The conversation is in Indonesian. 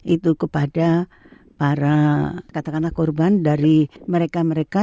itu kepada para katakanlah korban dari mereka mereka